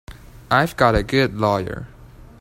I've got a good lawyer.